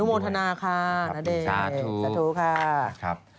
อนุโมทนาคาณเดสาธุค่ะ